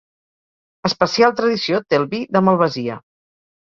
Especial tradició té el vi de malvasia.